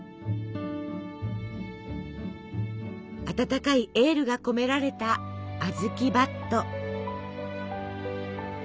温かいエールが込められたあずきばっと。